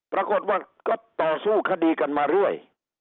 ปรากฏว่าก็ต่อสู้คดีกันมาเรื่อย